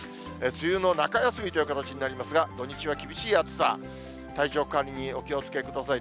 梅雨の中休みという形になりますが、土日は厳しい暑さ、体調管理にお気をつけください。